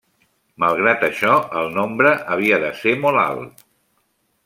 Malgrat això el nombre havia de ser molt alt.